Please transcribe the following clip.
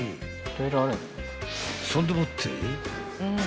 ［そんでもって］